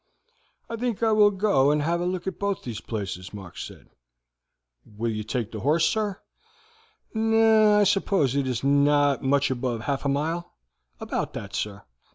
"'I think I will go and have a look at both those places," Mark said. "Will you take your horse, sir?" "No; I suppose it is not much above half a mile?" "About that, sir."